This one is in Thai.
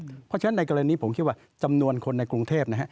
เพราะฉะนั้นในกรณีผมคิดว่าจำนวนคนในกรุงเทพนะฮะ